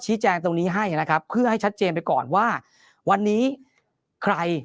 แจ้งตรงนี้ให้นะครับเพื่อให้ชัดเจนไปก่อนว่าวันนี้ใคร